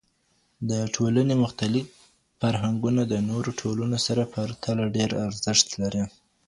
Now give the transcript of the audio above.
د ټولني مختلف فرهنګونه د نورو ټولنو سره په پرتله ډیر ارزښت لري.